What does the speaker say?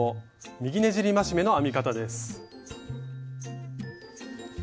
右ねじり増し目の編み方です。